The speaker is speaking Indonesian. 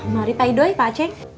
mari pak idoi pak aceh